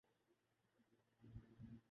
لوگوں کو علم تھا کہ ان